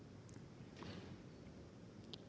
nah kira kira ini tercapai atau tidak